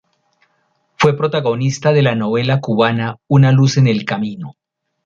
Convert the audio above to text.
Fue protagonista de la novela cubana "Una luz en el camino".